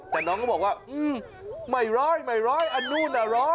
แต่น้องก็บอกว่าไม่ร้อยไม่ร้อยอันนู้นอ่ะร้อย